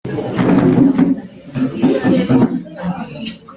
ariko kandi, imigani y’abahindu ivuga ko isanzure ry’ikirere ryaremwe n’imana y’ikirenga